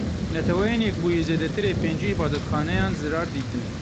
Neteweyên Yekbûyî Zêdetirê pêncî îbadetxaneyan zirar dîtin.